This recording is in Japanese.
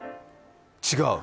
違う？